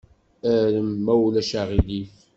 Arem, ma ulac aɣilif.